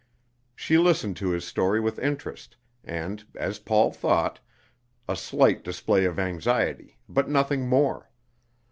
She listened to his story with interest, and, as Paul thought, a slight display of anxiety, but nothing more.